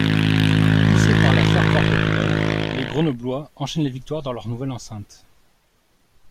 Poussés par la ferveur populaire, les Grenoblois enchaînent les victoires dans leur nouvelle enceinte.